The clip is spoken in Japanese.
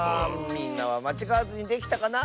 みんなはまちがわずにできたかな？